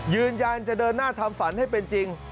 ยืนยันจะเดินหน้าทำฝันให้เป็นจริง